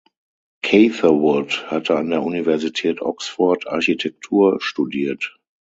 Catherwood hatte an der Universität Oxford Architektur studiert.